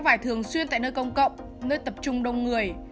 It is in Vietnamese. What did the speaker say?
các vải thường xuyên tại nơi công cộng nơi tập trung đông người